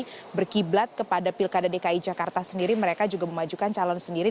jadi berkiblat kepada pilkada dki jakarta sendiri mereka juga memajukan calon sendiri